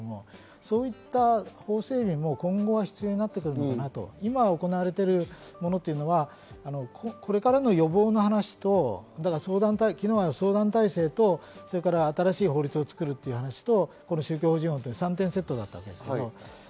そういった法整備も今後は必要になるのかなと、今行われているものはこれからの予防の話と相談体制と新しい法律を作るという話と宗教法人法という３点セットでした。